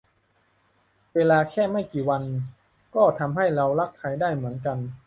เวลาแค่ไม่กี่วัน ก็ทำให้เรารักใคร ได้เหมือนกัน